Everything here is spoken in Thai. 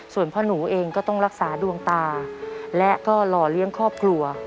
ส่วนพ่อหนูเองก็ต้องรักษาดวงตาและก็หล่อเลี้ยงครอบครัว